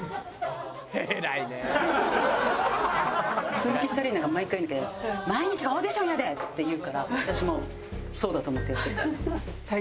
鈴木紗理奈が毎回言うんだけど「毎日がオーディションやで」って言うから私もそうだと思ってやってるから。